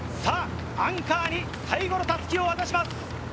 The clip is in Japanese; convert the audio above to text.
アンカーに最後の襷を渡します。